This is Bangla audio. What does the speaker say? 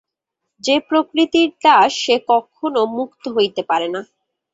যে প্রকৃতির দাস, সে কখনও মুক্ত হইতে পারে না।